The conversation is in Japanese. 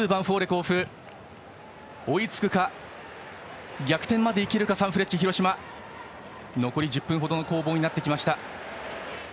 甲府追いつくか、逆転までいけるかサンフレッチェ広島。残り１０分ほどの攻防になってきました。